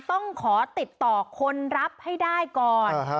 ต้องขอติดต่อคนรับให้ได้ก่อน